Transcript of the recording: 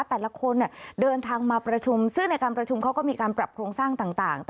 แต่ละคนเดินทางมาประชุมซึ่งในการประชุมเขาก็มีการปรับโครงสร้างต่าง